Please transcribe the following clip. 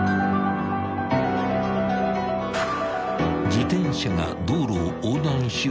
［自転車が道路を横断しようとした瞬間